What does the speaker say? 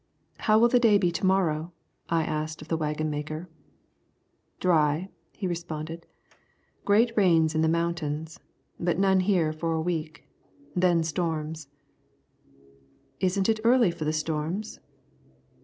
"How will the day be to morrow?" I asked of the waggon maker. "Dry," he responded; "great rains in the mountains, but none here for a week; then storms." "Isn't it early for the storms?"